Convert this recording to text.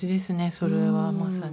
それはまさに。